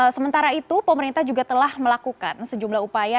sementara itu pemerintah juga telah melakukan sejumlah upaya